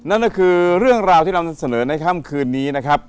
นั่นก็คือเรื่องราวที่เรานำเสนอในค่ำคืนนี้นะครับ